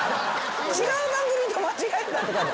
違う番組と間違えたとかじゃ？